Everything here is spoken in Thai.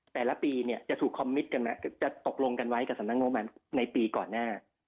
แต่ละปีเนี่ยจากสมุทรกันจากตกลงกันไว้กับสำนักงบก่อนหน้า